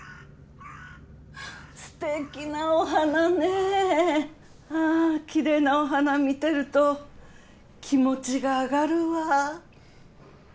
ステキなお花ねキレイなお花見てると気持ちが上がるわ。